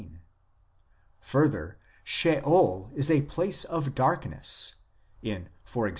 Further, Sheol is a place of dark ness ; in, e.g.